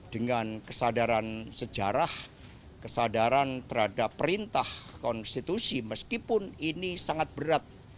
dengan kesadaran sejarah kesadaran terhadap perintah konstitusi meskipun ini sangat berat